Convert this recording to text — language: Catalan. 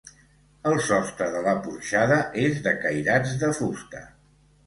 El sostre de la porxada és de cairats de fusta.